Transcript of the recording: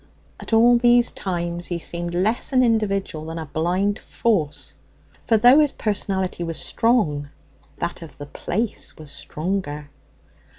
at all these times he seemed less an individual than a blind force. For though his personality was strong, that of the place was stronger.